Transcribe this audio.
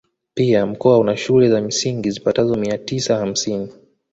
Pia mkoa una shule za msingi zipatazo mia tisa hamsini